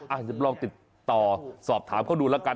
จะลองติดต่อสอบถามเขาดูแล้วกัน